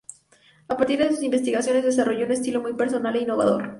A partir de sus investigaciones desarrolló un estilo muy personal e innovador.